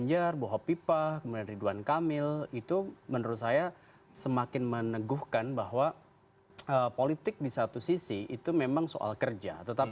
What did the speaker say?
ya ini disiksa